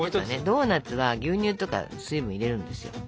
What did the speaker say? ドーナツは牛乳とか水分を入れるんですよ。